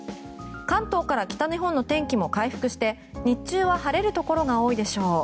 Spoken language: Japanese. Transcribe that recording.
関東から北日本の天気も回復して日中は晴れるところが多いでしょう。